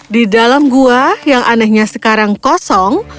di dalam gua yang anehnya sekarang kosong